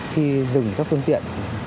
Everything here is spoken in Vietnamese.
khi dừng các phương tiện